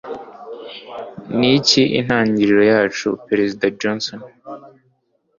Niki Intangiriro Yacu Perezida Johnson